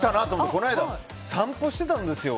この間、散歩してたんですよ